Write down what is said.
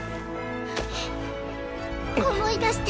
思い出して！